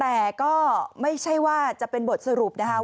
แต่ก็ไม่ใช่ว่าจะเป็นบทสรุปนะคะ